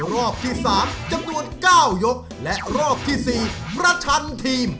รอบที่สามจำนวนเก้ายกและรอบที่สี่บรรชันทีม